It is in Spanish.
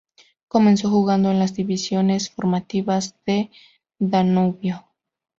Comenzó jugando en las divisiones formativas de Danubio.